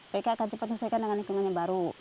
mereka akan cepat selesaikan dengan lingkungannya baru